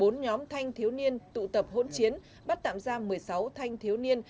bốn nhóm thanh thiếu niên tụ tập hỗn chiến bắt tạm ra một mươi sáu thanh thiếu niên